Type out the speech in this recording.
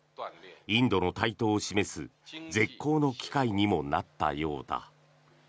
インドの台頭を示す絶好の機会にもなったようだ。